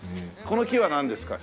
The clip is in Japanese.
この木はなんですか？